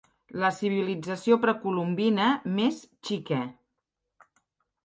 La civilització precolombina més xica.